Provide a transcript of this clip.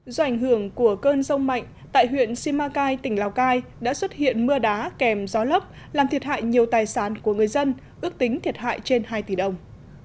do ảnh hưởng của cơn rông mạnh tại huyện simacai tỉnh lào cai đã xuất hiện mưa đá kèm gió lốc làm thiệt hại nhiều tài sản của người dân ước tính thiệt hại trên hai tỷ đồng